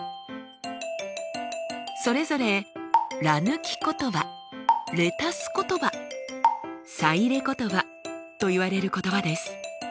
それぞれ「ら抜き言葉」「れ足す言葉」「さ入れ言葉」といわれる言葉です。